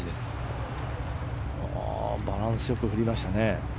バランスよく振りました。